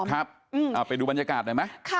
งั้นไปดูบรรยากาศได้ไหม